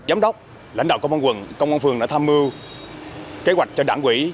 giám đốc lãnh đạo công an quận công an phường đã tham mưu kế hoạch cho đảng quỹ